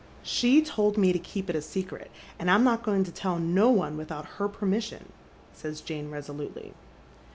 " She told me to keep it a secret, and I'm not going to tell no ©ne without her permission," says Jane resolutely.